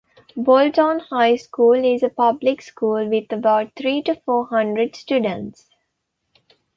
Bolton High School is a public school with about three to four hundred students.